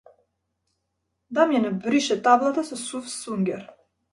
Дамјан ја брише таблата со сув сунѓер.